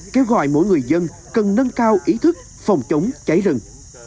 kêu gọi mỗi người dân cần nâng cao ý thức phòng chống cháy rừng